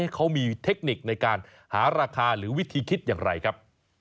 เขามีเทคนิคในการหาราคาหรือวิธีคิดอย่างไรครับ